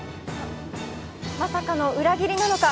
まさかの裏切りなのか？